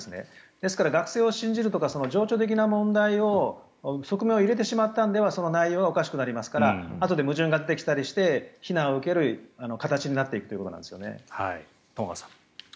ですから、学生を信じるとか情緒的な側面を入れてしまったのではその内容がおかしくなりますからあとで矛盾が出てきて非難を受ける形になるんですね。